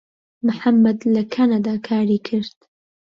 محەممەد لە کەنەدا کاری کرد.